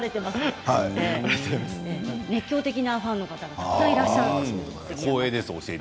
熱狂的なファンの方がたくさんいらっしゃるんです。